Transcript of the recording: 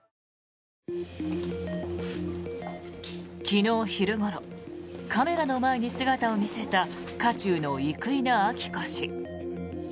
昨日昼ごろカメラの前に姿を見せた渦中の生稲晃子氏。